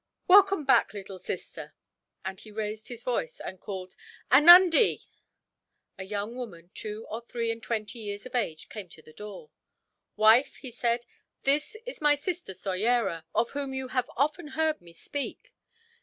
"Welcome back, little sister!" and he raised his voice, and called, "Anundee!" A young woman, two or three and twenty years of age, came to the door. "Wife," he said, "this is my sister Soyera, of whom you have often heard me speak.